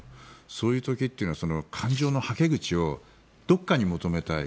そういう時というのは感情のはけ口をどこかに求めたい。